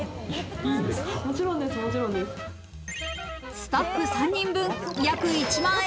スタッフ３人分、約１万円